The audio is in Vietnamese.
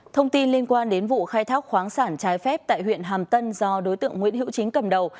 thông tin liên quan đến vụ khai thác khoáng sản trái phép tại huyện hàm tân do đối tượng nguyễn hữu chính cầm đầu